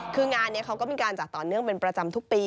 คืองานนี้เขาก็มีการจัดต่อเนื่องเป็นประจำทุกปี